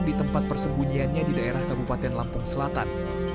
di tempat persembunyiannya di daerah kabupaten lampung selatan